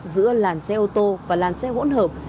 giữa làn xe ô tô và làn xe hỗn hợp